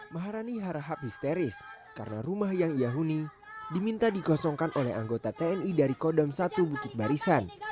maharani harahap histeris karena rumah yang ia huni diminta dikosongkan oleh anggota tni dari kodam satu bukit barisan